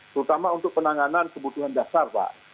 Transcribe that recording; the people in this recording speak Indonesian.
terutama untuk penanganan kebutuhan dasar pak